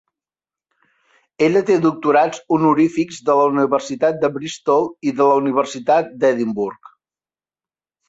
Ella té doctorats honorífics de la Universitat de Bristol i de la Universitat d'Edimburg.